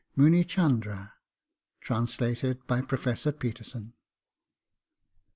Munichandra, translated by Professor Peterson.